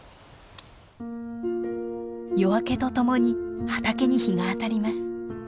夜明けとともに畑に日が当たります。